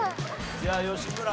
じゃあ吉村。